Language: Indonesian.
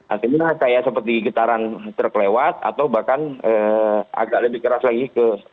artinya seperti getaran terkelewat atau bahkan agak lebih keras lagi ke empat